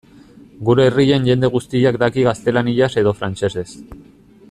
Gure herrian jende guztiak daki gaztelaniaz edo frantsesez.